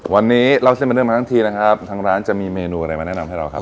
วันนี้เล่าเส้นเป็นเรื่องมาทั้งทีนะครับทางร้านจะมีเมนูอะไรมาแนะนำให้เราครับ